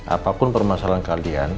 apapun permasalahan kalian